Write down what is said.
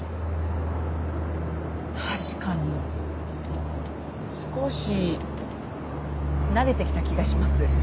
確かに少し慣れてきた気がします。